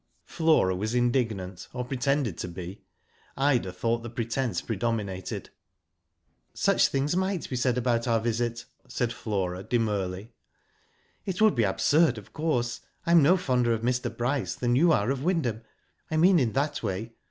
Flora was indignant, or pretended to be. Ida thought the pretence predominated. Such things might be said about our visit," said Flora, demurely. " It would be absurd, of course. I am no fonder of Mr. Bryce than you are of Wyndham. I mean in that way.